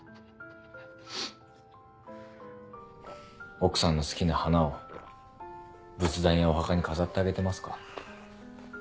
奥さんの好きな花を仏壇やお墓に飾ってあげてますか？